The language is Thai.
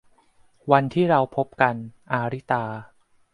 วันที่เราพบกัน - อาริตา